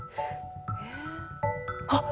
あっ！